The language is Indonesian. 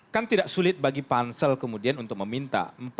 kan tidak sulit bagi pansel kemudian untuk meminta